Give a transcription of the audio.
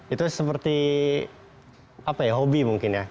itu seperti apa ya hobi mungkin ya